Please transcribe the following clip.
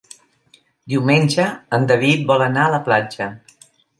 Diumenge en David vol anar a la platja.